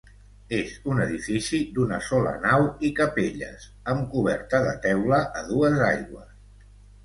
És un edifici d'una sola nau, i capelles, amb coberta de teula a dues aigües.